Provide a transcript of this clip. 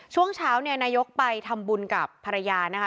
ช่วงเช้าเนี่ยนายกไปทำบุญกับภรรยานะคะ